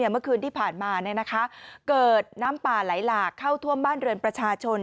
เมื่อคืนที่ผ่านมาเกิดน้ำป่าไหลหลากเข้าท่วมบ้านเรือนประชาชน